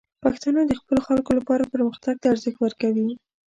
پښتانه د خپلو خلکو لپاره پرمختګ ته ارزښت ورکوي.